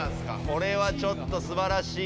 これはちょっとすばらしい。